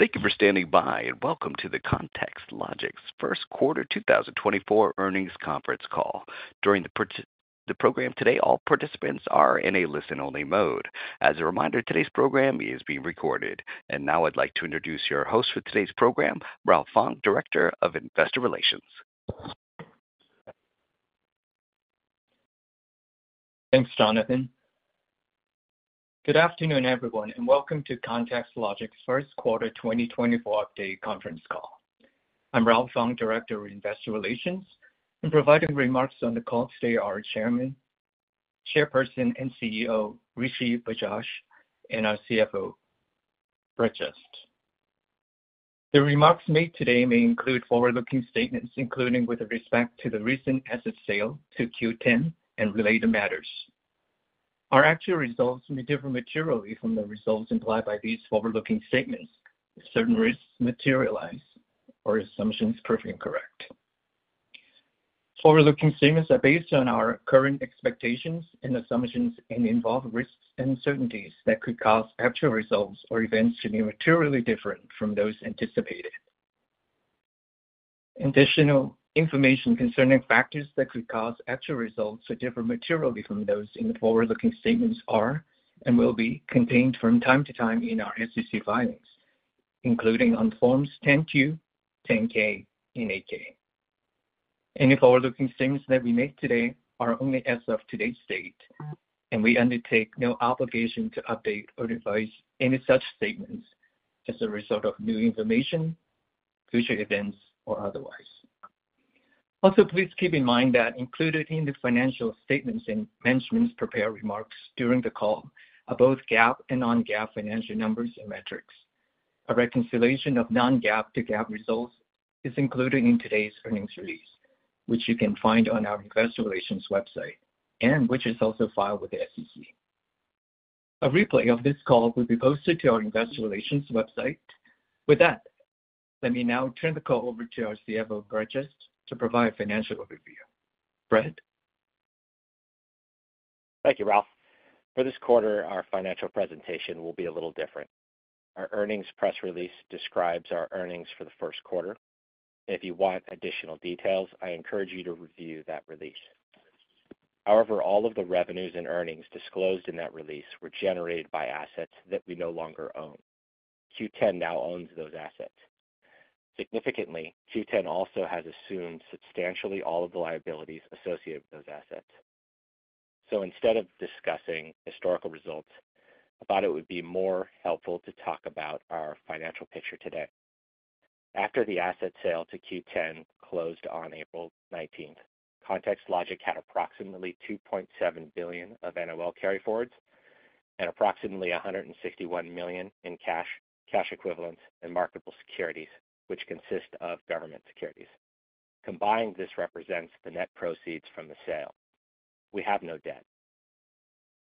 Thank you for standing by, and welcome to the ContextLogic's first quarter 2024 earnings conference call. During the program today, all participants are in a listen-only mode. As a reminder, today's program is being recorded. And now I'd like to introduce your host for today's program, Ralph Fong, Director of Investor Relations. Thanks, Jonathan. Good afternoon, everyone, and welcome to ContextLogic's first quarter 2024 update conference call. I'm Ralph Fong, Director of Investor Relations, and providing remarks on the call today are Chairman, Chairperson, and CEO, Rishi Bajaj, and our CFO, Brett Just. The remarks made today may include forward-looking statements, including with respect to the recent asset sale to Qoo10 and related matters. Our actual results may differ materially from the results implied by these forward-looking statements if certain risks materialize or assumptions prove incorrect. Forward-looking statements are based on our current expectations and assumptions and involve risks and uncertainties that could cause actual results or events to be materially different from those anticipated. Additional information concerning factors that could cause actual results to differ materially from those in the forward-looking statements are and will be contained from time to time in our SEC filings, including on Forms 10-Q, 10-K, and 8-K. Any forward-looking statements that we make today are only as of today's date, and we undertake no obligation to update or revise any such statements as a result of new information, future events, or otherwise. Also, please keep in mind that included in the financial statements and management's prepared remarks during the call are both GAAP and non-GAAP financial numbers and metrics. A reconciliation of non-GAAP to GAAP results is included in today's earnings release, which you can find on our investor relations website and which is also filed with the SEC. A replay of this call will be posted to our investor relations website. With that, let me now turn the call over to our CFO, Brett Just, to provide a financial overview. Brett? Thank you, Ralph. For this quarter, our financial presentation will be a little different. Our earnings press release describes our earnings for the first quarter. If you want additional details, I encourage you to review that release. However, all of the revenues and earnings disclosed in that release were generated by assets that we no longer own. Qoo10 now owns those assets. Significantly, Qoo10 also has assumed substantially all of the liabilities associated with those assets. So instead of discussing historical results, I thought it would be more helpful to talk about our financial picture today. After the asset sale to Qoo10 closed on April nineteenth, ContextLogic had approximately $2.7 billion of NOL carryforwards and approximately $161 million in cash, cash equivalents, and marketable securities, which consist of government securities. Combined, this represents the net proceeds from the sale. We have no debt.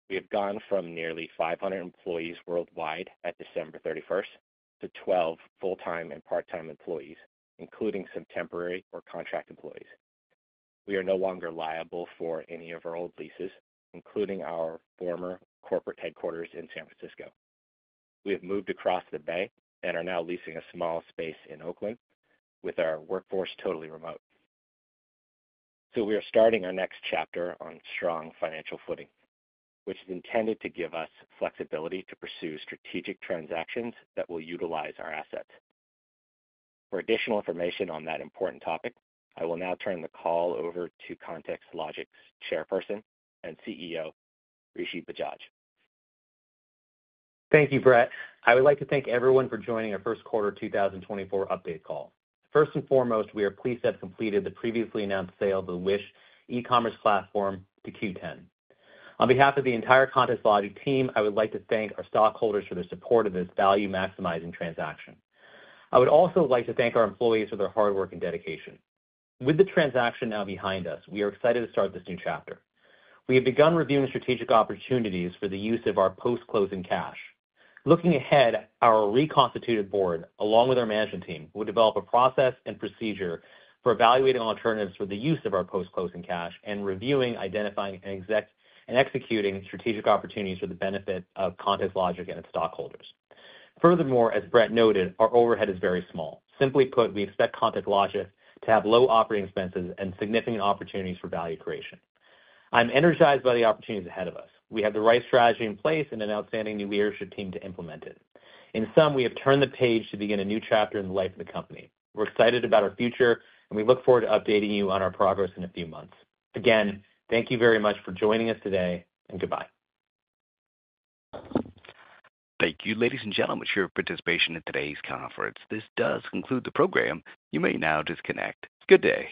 We have gone from nearly 500 employees worldwide at December 31st to 12 full-time and part-time employees, including some temporary or contract employees. We are no longer liable for any of our old leases, including our former corporate headquarters in San Francisco. We have moved across the bay and are now leasing a small space in Oakland, with our workforce totally remote. So we are starting our next chapter on strong financial footing, which is intended to give us flexibility to pursue strategic transactions that will utilize our assets. For additional information on that important topic, I will now turn the call over to ContextLogic's Chairperson and CEO, Rishi Bajaj. Thank you, Brett. I would like to thank everyone for joining our first quarter 2024 update call. First and foremost, we are pleased to have completed the previously announced sale of the Wish e-commerce platform to Qoo10. On behalf of the entire ContextLogic team, I would like to thank our stockholders for their support of this value-maximizing transaction. I would also like to thank our employees for their hard work and dedication. With the transaction now behind us, we are excited to start this new chapter. We have begun reviewing strategic opportunities for the use of our post-closing cash. Looking ahead, our reconstituted board, along with our management team, will develop a process and procedure for evaluating alternatives for the use of our post-closing cash and reviewing, identifying, and executing strategic opportunities for the benefit of ContextLogic and its stockholders. Furthermore, as Brett noted, our overhead is very small. Simply put, we expect ContextLogic to have low operating expenses and significant opportunities for value creation. I'm energized by the opportunities ahead of us. We have the right strategy in place and an outstanding new leadership team to implement it. In sum, we have turned the page to begin a new chapter in the life of the company. We're excited about our future, and we look forward to updating you on our progress in a few months. Again, thank you very much for joining us today, and goodbye. Thank you, ladies and gentlemen, for your participation in today's conference. This does conclude the program. You may now disconnect. Good day.